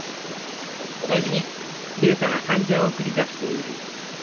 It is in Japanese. お大事に。